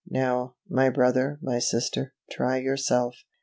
Now, my brother, my sister, try yourself.